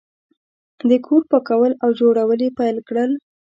د کور پاکول او جوړول یې پیل کړل.